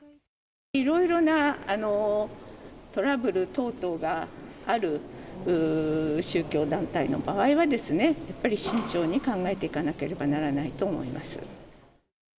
いろいろなトラブル等々がある宗教団体の場合はですね、やっぱり慎重に考えていかなければならないと思います。